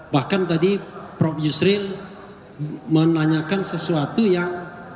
bahkan tadi prof yusril menanyakan sesuatu yang